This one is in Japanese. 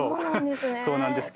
そうなんですね！